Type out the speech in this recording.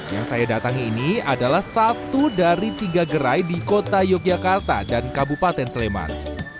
yang saya datangi ini adalah satu dari tiga gerai di kota yogyakarta dan kabupaten sleman